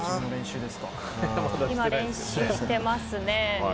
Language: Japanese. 今、練習してますね。